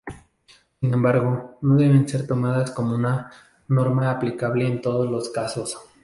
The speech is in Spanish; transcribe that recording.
Sin embargo, no deben ser tomadas como una norma aplicable en todos los casos.